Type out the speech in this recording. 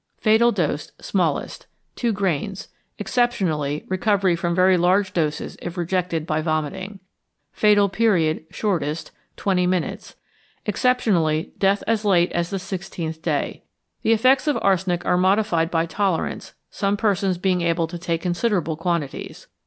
Fatal Dose (Smallest). Two grains. Exceptionally, recovery from very large doses if rejected by vomiting. Fatal Period (Shortest). Twenty minutes. Exceptionally, death as late as the sixteenth day. The effects of arsenic are modified by tolerance, some persons being able to take considerable quantities.